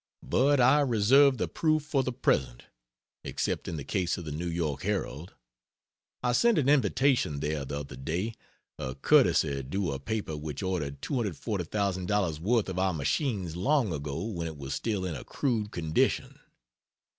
But I reserve the proof for the present except in the case of the N. Y. Herald; I sent an invitation there the other day a courtesy due a paper which ordered $240,000 worth of our machines long ago when it was still in a crude condition.